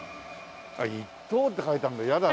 あっ１等って書いてあるんだ。